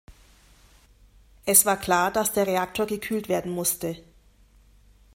Es war klar, dass der Reaktor gekühlt werden musste.